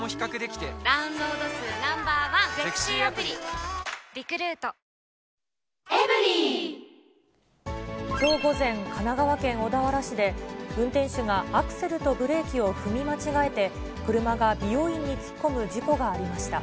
きょう午前、神奈川県小田原市で、運転手がアクセルとブレーキを踏み間違えて、車が美容院に突っ込む事故がありました。